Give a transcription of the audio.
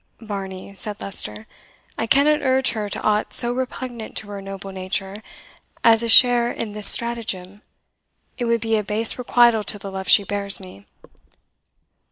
"Varney," said Leicester, "I cannot urge her to aught so repugnant to her noble nature as a share in this stratagem; it would be a base requital to the love she bears me."